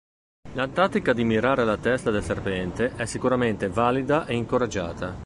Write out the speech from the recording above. La tattica di mirare alla testa del serpente è sicuramente valida e incoraggiata.